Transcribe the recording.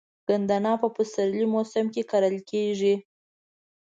ګندنه په پسرلي موسم کې کرل کیږي.